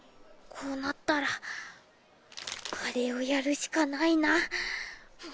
こうなったらあれをやるしかないな。